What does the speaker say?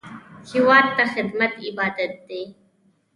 هېواد ته خدمت عبادت دی